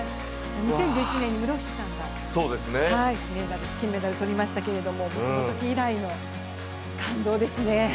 ２０１１年に室伏さんが金メダル取りましたけどもそのとき以来の感動ですね。